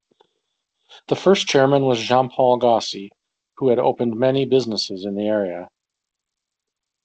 The first Chairman was Jean-Paul Gauci, who had opened many businesses in the area.